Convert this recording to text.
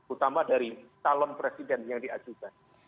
utama dari calon presiden yang diajukan